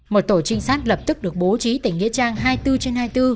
một tổ trinh sát lập tức được bố trí tại nghĩa trang hai mươi bốn trên hai mươi bốn